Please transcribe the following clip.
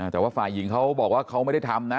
แต่ว่าฝ่ายหญิงเขาบอกว่าเขาไม่ได้ทำนะ